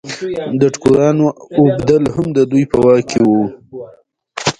د ټوکرانو اوبدل هم د دوی په واک کې وو.